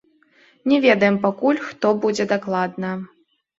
Не ведаем пакуль, хто будзе дакладна.